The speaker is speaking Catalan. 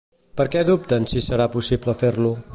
Per què dubten sobre si serà possible fer-lo?